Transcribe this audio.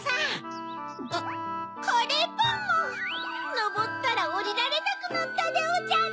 のぼったらおりられなくなったでおじゃる。